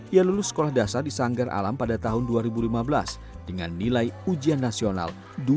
ia lulus sekolah dasar di sanggar alam pada tahun dua ribu lima belas dengan nilai ujian nasional